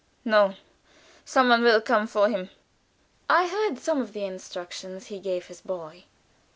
"No; some one will come for him." I heard some of the instructions he gave his boy.